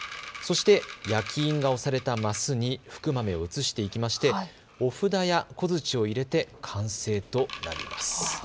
そして、焼き印が押された升に福豆を移していきましてお札や小づちを入れて完成となります。